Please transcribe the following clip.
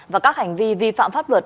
và các hành vi vi phạm pháp luật